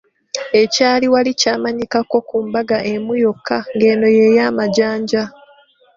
Ekyali wali kyamanyikako ku mbaga emu yokka ng’eno ye ya Majanja.